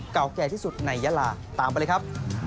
เก่าแก่ที่สุดในยาลาตามไปเลยครับ